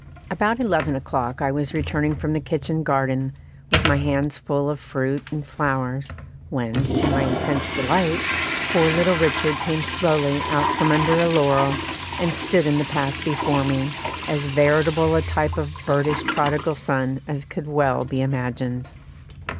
About eleven o'clock I was returning from the kitchen garden, with my hands full of fruit and flowers, when, to my intense delight, poor little Richard came slowly out from under a laurel, and stood in the path before me, as veritable a type of a birdish prodigal son as could well be imagined.